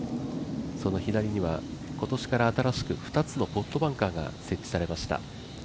その左には今年から新しく、２つのポットバンカーが設置されました。